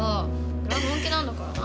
俺は本気なんだからな。